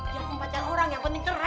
dia tempat yang orang yang penting keren